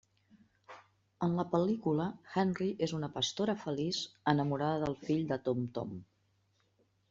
En la pel·lícula Henry és una pastora feliç, enamorada del fill de Tom-Tom.